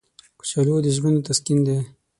کچالو د زړونو تسکین دی